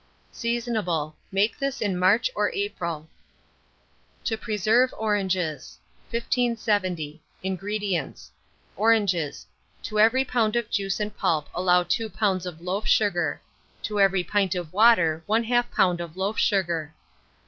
Seasonable. Make this in March or April. TO PRESERVE ORANGES. 1570. INGREDIENTS. Oranges; to every lb. of juice and pulp allow 2 lbs. of loaf sugar; to every pint of water 1/2 lb. of loaf sugar.